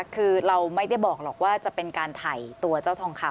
คือเราไม่ได้บอกหรอกว่าจะเป็นการถ่ายตัวเจ้าทองคำ